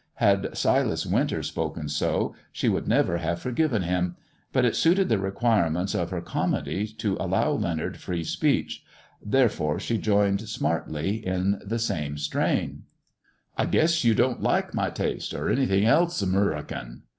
Had Silas Winter spoken so, she would never have forgiven him ; but it suited the requirements of her comedy to allow Leonard free speech, therefore she rejoined smartly, in the same strain —" I guess you don't like my taste, or anything else Amurican."